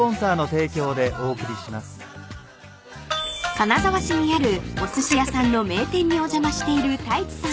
［金沢市にあるおすし屋さんの名店にお邪魔している太一さん］